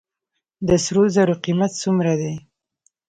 د سرو زرو قیمت څومره دی؟